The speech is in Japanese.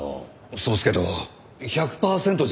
そうですけど１００パーセントじゃない。